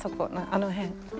あの辺。